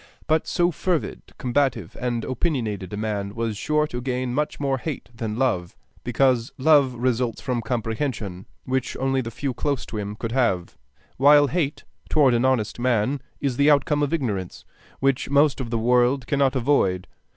But so fervid, combative, and opinionated a man was sure to gain much more hate than love; because love results from comprehension, which only the few close to him could have, while hate toward an honest man is the outcome of ignorance, which most of the world cannot avoid.